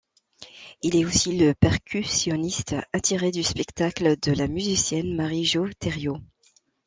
Il est aussi le percussionniste attitré du spectacle de la musicienne Marie-Jo Thério.